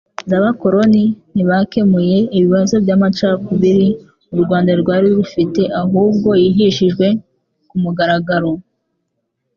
z'abakoroni. Ntibakemuye ibibazo by'amacakubiri u Rwanda rwari rufite, ahubwo yigishijwe ku mugaragaro.